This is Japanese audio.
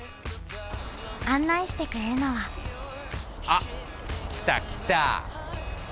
案内してくれるのはあっ、来た来た。